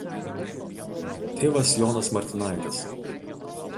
Tėvas Jonas Martinaitis.